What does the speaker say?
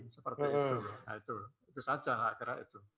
seperti itu nah itu itu saja lah